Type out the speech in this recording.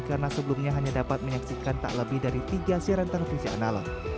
karena sebelumnya hanya dapat menyaksikan tak lebih dari tiga siaran televisi analog